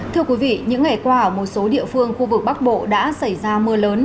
thưa quý vị những ngày qua ở một số địa phương khu vực bắc bộ đã xảy ra mưa lớn